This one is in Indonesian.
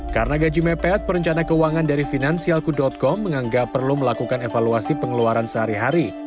karena gaji mepet perencana keuangan dari finansialku com menganggap perlu melakukan evaluasi pengeluaran sehari hari